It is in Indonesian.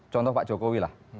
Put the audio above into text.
contoh pak jokowi lah